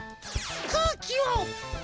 くうきを！